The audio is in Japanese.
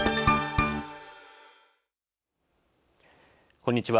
こんにちは。